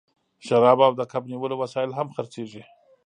شراب او د کب نیولو وسایل هم خرڅیږي